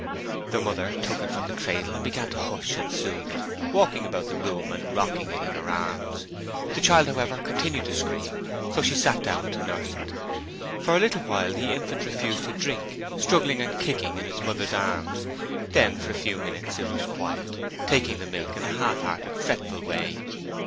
The mother took it from the cradle and began to hush and soothe it, walking about the room and rocking it in her arms. The child, however, continued to scream, so she sat down to nurse it: for a little while the infant refused to drink, struggling and kicking in its mother's arms, then for a few minutes it was quite, taking the milk in a half hearted, fretful way.